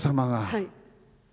はい。